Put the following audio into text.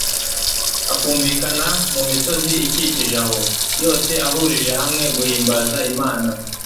akumvikana mu misozi ikikije aho, yose ahurije hamwe guhimbaza Imana.